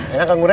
enak kak ngurek